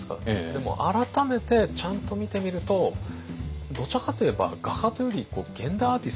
でも改めてちゃんと見てみるとどちらかと言えば画家というより現代アーティストっていうんですか？